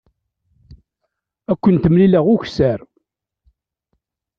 Ad kent-mlileɣ ukessar.